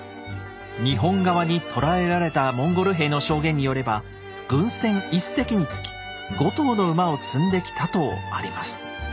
日本側に捕らえられたモンゴル兵の証言によれば軍船１隻につき５頭の馬を積んできたとあります。